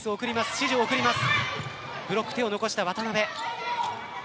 指示を送ります。